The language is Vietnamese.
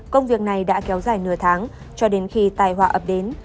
công việc này đã kéo dài nửa tháng cho đến khi tài họa ập đến